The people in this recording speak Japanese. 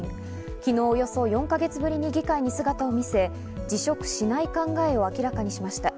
昨日、およそ４か月ぶりに議会に姿を見せ、辞職しない考えを明らかにしました。